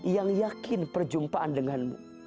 yang yakin perjumpaan denganmu